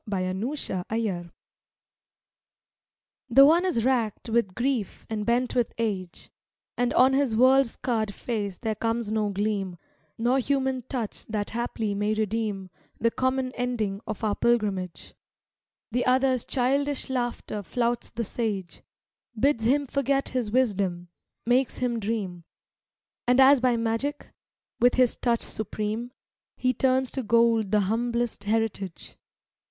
Beatb anb %ovc HE one is wracked with grief and bent with age, And on his world scarred face there comes no gleam Nor human touch that haply may redeem The common ending of our pilgrimage; The other's childish laughter flouts the sage, Bids him forget his wisdom, makes him dream, And as by magic, with his touch supreme, He turns to gold the humblest heritage.